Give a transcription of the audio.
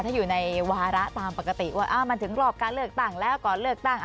ถ้าอยู่ในวาระตามปกติว่ามันถึงรอบการเลือกตั้งแล้วก่อนเลือกตั้ง